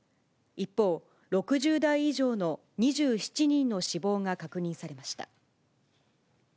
一方、６０代以上の２７人の死亡が確認されました。